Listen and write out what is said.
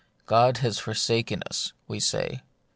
" God has forsaken us," we say.